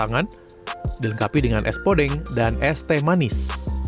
tangan dilengkapi dengan es podeng dan es teh manis